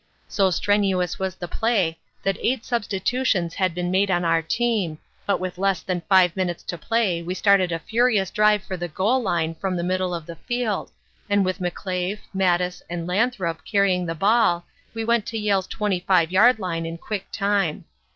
So strenuous was the play that eight substitutions had been made on our team, but with less than five minutes to play we started a furious drive for the goal line from the middle of the field, and with McClave, Mattis and Lathrope carrying the ball we went to Yale's 25 yard line in quick time.